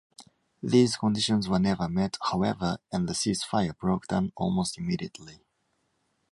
These conditions were never met, however, and the ceasefire broke down almost immediately.